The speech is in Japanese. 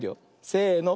せの。